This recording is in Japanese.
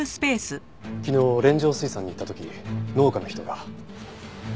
昨日連城水産に行った時農家の人が。